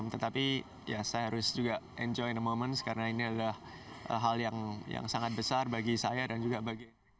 tetapi ya saya harus juga enjoy a moments karena ini adalah hal yang sangat besar bagi saya dan juga bagi